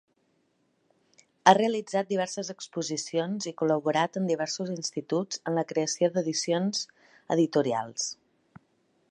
Ha realitzat diverses exposicions i col·laborat en diversos instituts en la creació d'edicions editorials.